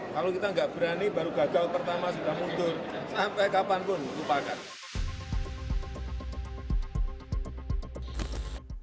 kalau kita nggak berani baru gagal pertama sudah mundur sampai kapanpun lupakan